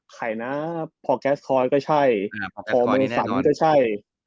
ไข่น้าพ่อแก๊สคอร์ดก็ใช่พ่อเมยศรรย์ก็ใช่